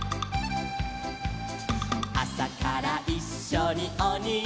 「あさからいっしょにおにぎり」